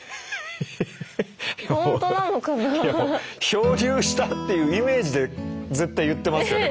漂流したっていうイメージで絶対言ってますよね